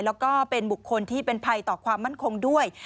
แล้วก็เป็นบุคคลที่เป็นภัยต่อความมั่นคงด้วย